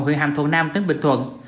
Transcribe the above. huyện hàm thuận nam tỉnh bình thuận